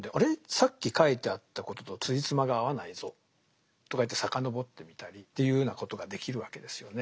さっき書いてあったこととつじつまが合わないぞとかいって遡ってみたりっていうようなことができるわけですよね。